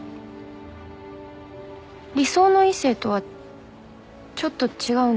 理想の異性とはちょっと違うんだよね。